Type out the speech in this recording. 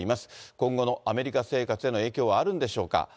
今後のアメリカ生活への影響はあるんでしょうか。